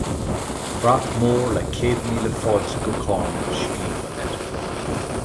Brat mór le Céad Míle Fáilte go Carna scríofa air.